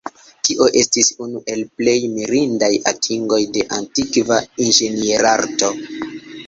Tio estis unu el plej mirindaj atingoj de antikva inĝenierarto.